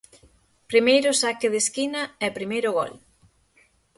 Primeiro saque de esquina e primeiro gol.